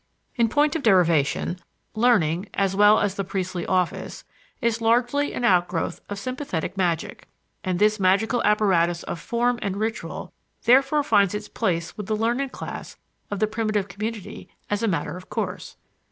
In point of derivation, learning, as well as the priestly office, is largely an outgrowth of sympathetic magic; and this magical apparatus of form and ritual therefore finds its place with the learned class of the primitive community as a matter of course.